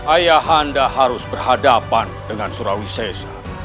ayahanda harus berhadapan dengan surawi sesa